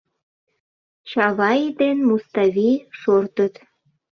Чавай ден Муставий шортыт.